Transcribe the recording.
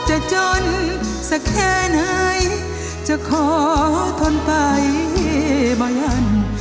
จะทุกข์จะจนสักแค่ไหนจะขอโทษต่อไปให้บ่ายัง